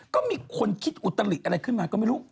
ก็มีคนคิดอุตลิอะไรขึ้นมาก็ไม่รู้